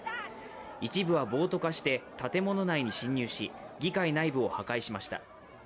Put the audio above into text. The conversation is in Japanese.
一部は暴徒化して建物内に侵入し、議会内部を破壊しました。